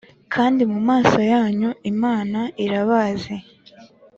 kandi mu maso yanyu Imana irabazi